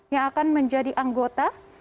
yang akan menjadi anggota